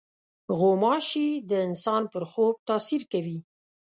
غوماشې د انسان پر خوب تاثیر کوي.